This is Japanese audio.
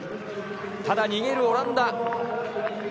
ただ、逃げるオランダ。